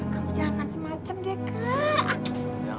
kamu jangan macem macem deh kak